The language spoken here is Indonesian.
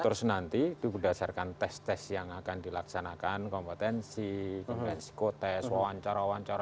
terus nanti itu berdasarkan tes tes yang akan dilaksanakan kompetensi kompetensi psikotest wawancara wawancara